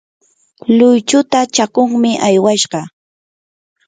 luychuta chakuqmi aywashqa.